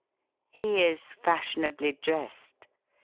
" He is fashiona bly dressed."